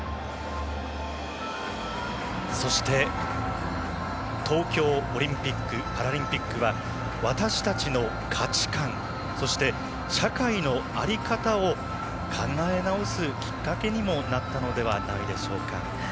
そして、東京オリンピック・パラリンピックは私たちの価値観そして社会の在り方を考え直すきっかけにもなったのではないでしょうか。